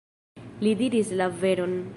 Li diris la veron!..